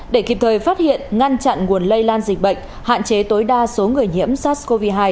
để kịp thời phát hiện ngăn chặn nguồn lây lan dịch bệnh hạn chế tối đa số người nhiễm sars cov hai